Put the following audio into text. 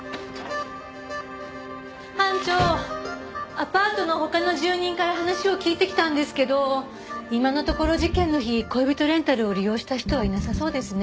アパートの他の住人から話を聞いてきたんですけど今のところ事件の日恋人レンタルを利用した人はいなさそうですね。